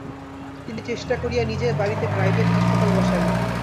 তিনি চেষ্টা করিয়া নিজের বাড়িতে প্রাইভেট হাসপাতাল বসাইলেন।